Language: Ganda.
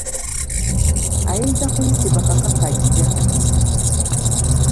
Ayinza kuyitibwa kakakajja.